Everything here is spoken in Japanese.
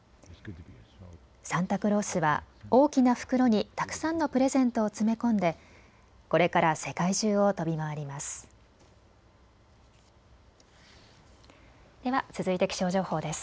サンタクロースは大きな袋にたくさんのプレゼントを詰め込んでこれから世界中を飛び回ります。